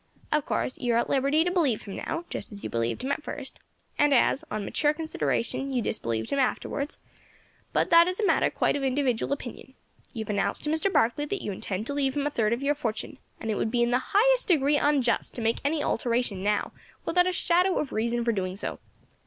Of course you are at liberty to believe him now, just as you believed him at first, and as, on mature consideration, you disbelieved him afterwards; but that is a matter quite of individual opinion. You have announced to Mr. Barkley that you intend to leave him a third of your fortune, and it would be in the highest degree unjust to make any alteration now, without a shadow of reason for doing so.